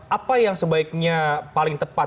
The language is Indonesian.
apa yang sebaiknya paling tepat